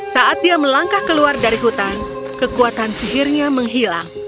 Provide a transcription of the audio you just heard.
saat dia melangkah keluar dari hutan kekuatan sihirnya menghilang